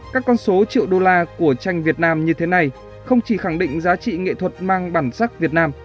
các con số triệu đô la của tranh việt nam như thế này không chỉ khẳng định giá trị nghệ thuật mang bản sắc việt nam